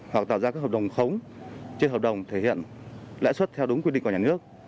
hoặc tạo ra các hợp đồng khống trên hợp đồng thể hiện lãi suất theo đúng quy định của nhà nước